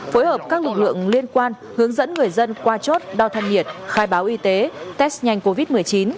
phối hợp các lực lượng liên quan hướng dẫn người dân qua chốt đo thân nhiệt khai báo y tế test nhanh covid một mươi chín